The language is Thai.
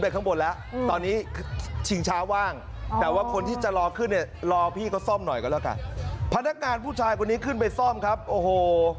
พนักงานผู้ชายกว่านี้ขึ้นไปซ่อมครับโอ้โห